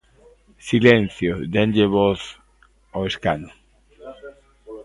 ¡Silencio!, déanlle voz ao escano.